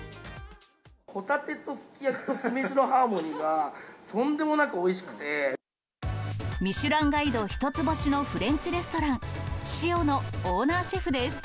ホタテとすき焼きと酢飯のハーモニーがとんでもなくおいしくミシュランガイド１つ星のフレンチレストラン、ｓｉｏのオーナーシェフです。